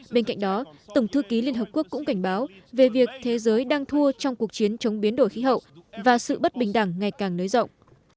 bên cạnh đó tổng thư ký liên hợp quốc cũng cảnh báo về việc thế giới đang thua trong cuộc chiến chống biến đổi khí hậu và sự bất bình đẳng ngày càng nới rộng